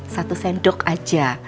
satu sendok aja